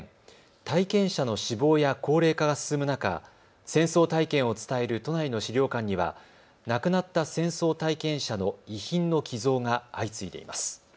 体験者の死亡や高齢化が進む中、戦争体験を伝える都内の史料館には亡くなった戦争体験者の遺品の寄贈が相次いでいます。